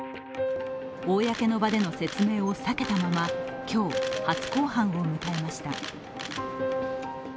公の場での説明を避けたまま、今日初公判を迎えました。